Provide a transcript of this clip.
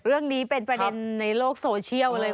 เรื่องนี้เป็นประเด็นในโลกโซเชียลเลย